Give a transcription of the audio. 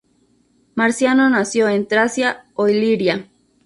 Marciano nació en Tracia o Iliria.